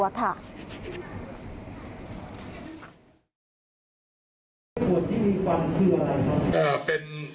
ส่วนที่มีความคิดว่าอะไรครับ